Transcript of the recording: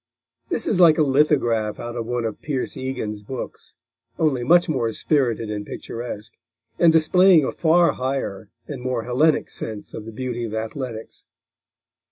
This is like a lithograph out of one of Pierce Egan's books, only much more spirited and picturesque, and displaying a far higher and more Hellenic sense of the beauty of athletics.